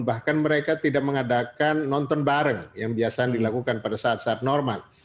bahkan mereka tidak mengadakan nonton bareng yang biasa dilakukan pada saat saat normal